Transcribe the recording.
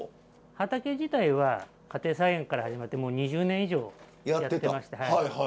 畑自体は家庭菜園から始まってもう２０年以上やってまして。